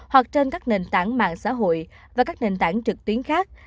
hoặc trên các nền tảng mạng xã hội và các nền tảng trực tuyến khác